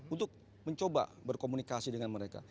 untuk mencoba berkomunikasi dengan mereka